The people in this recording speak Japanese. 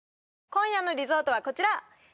今夜のリゾートはこちら！